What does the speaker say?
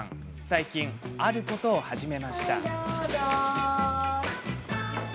最近、あることを始めたんです。